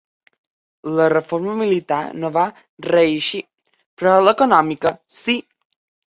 La reforma militar no va reeixir, però l'econòmica sí.